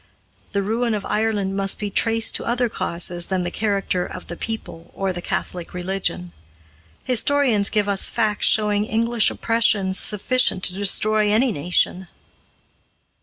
The ruin of Ireland must be traced to other causes than the character of the people or the Catholic religion. Historians give us facts showing English oppressions sufficient to destroy any nation.